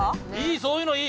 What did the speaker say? そういうのいい！